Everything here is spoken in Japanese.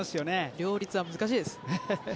両立は難しいです。